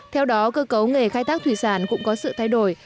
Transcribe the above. theo đó cơ cấu nghề khai thác thủy sản cũng có sự thay đổi